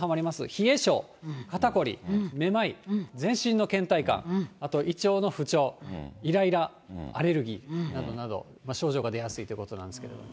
冷え性、肩凝り、めまい、全身のけん怠感、あと胃腸の不調、いらいら、アレルギーなどなど、症状が出やすいということなんですけれども。